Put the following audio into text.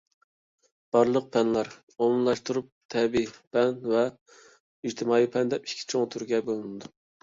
بارلىق پەنلەر ئومۇملاشتۇرۇلۇپ تەبىئىي پەن ۋە ئىجتىمائىي پەن دەپ ئىككى چوڭ تۈرگە بۆلۈنىدۇ.